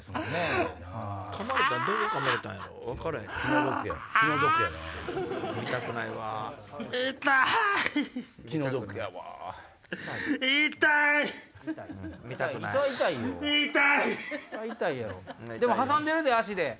そら痛いやろでも挟んでるで脚で。